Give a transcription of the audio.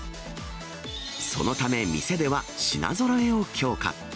そのため、店では品ぞろえを強化。